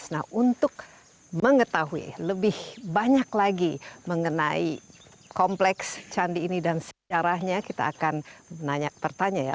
nah untuk mengetahui lebih banyak lagi mengenai kompleks candi ini dan sejarahnya kita akan menanya pertanya ya